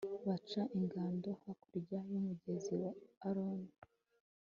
baca ingando hakurya y'umugezi wa arunoni